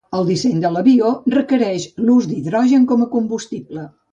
El disseny de l'avió requereix l'ús d'hidrogen com a combustible.